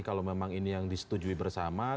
kalau memang ini yang disetujui bersama